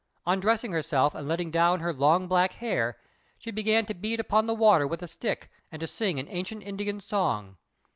Undressing herself, and letting down her long black hair, she began to beat upon the water with a stick and to sing an ancient Indian song.